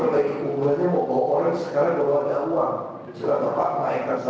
tidak terpukulkan ada pembagian pembagian